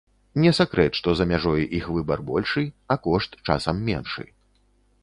Не сакрэт, што за мяжой іх выбар большы, а кошт часам меншы.